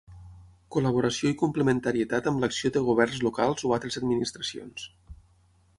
Col·laboració i complementarietat amb l'acció de governs locals o altres administracions.